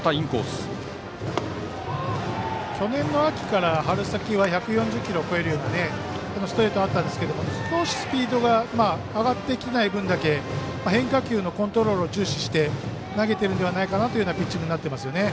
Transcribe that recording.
去年の秋から春先は１４０キロを超えるストレートがあったんですけど少しスピードが上がってきていない分だけ変化球のコントロールを重視して投げているのではないかなというピッチングになってますね。